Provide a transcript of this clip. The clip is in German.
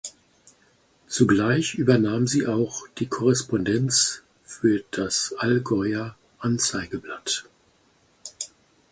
Zugleich übernahm sie auch die Korrespondenz für das "Allgäuer Anzeigeblatt".